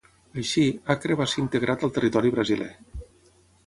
Així, Acre va ser integrat al territori brasiler.